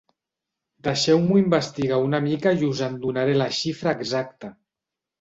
Deixeu-m'ho investigar una mica i us en donaré la xifra exacta.